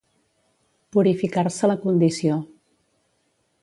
Purificar-se la condició.